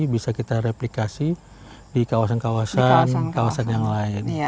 bisa kita replikasi di kawasan kawasan yang lain